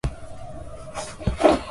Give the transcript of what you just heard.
waliyo na virusi vya ukimwi wanatumia dawa